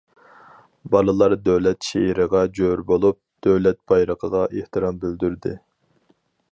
بالىلار دۆلەت شېئىرىغا جور بولۇپ، دۆلەت بايرىقىغا ئېھتىرام بىلدۈردى.